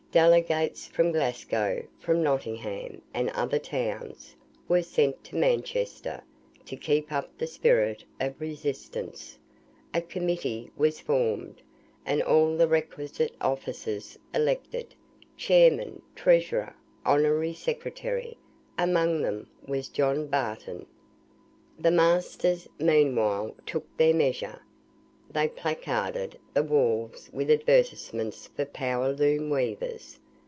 Delegates from Glasgow, from Nottingham, and other towns, were sent to Manchester, to keep up the spirit of resistance; a committee was formed, and all the requisite officers elected; chairman, treasurer, honorary secretary: among them was John Barton. The masters, meanwhile, took their measures. They placarded the walls with advertisements for power loom weavers.